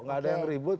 enggak ada yang ribut